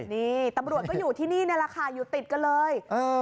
นี่ตำรวจก็อยู่ที่นี่นี่แหละค่ะอยู่ติดกันเลย